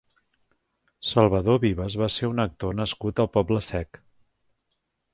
Salvador Vives va ser un actor nascut al Poble-sec.